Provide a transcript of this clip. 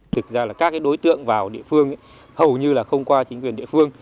thực ra là các đối tượng vào địa phương hầu như là không qua chính quyền địa phương